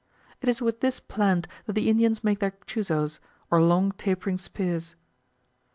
It is with this plant that the Indians make their chuzos, or long tapering spears.